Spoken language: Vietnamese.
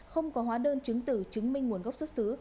không có hóa đơn chứng tử chứng minh nguồn gốc xuất xứ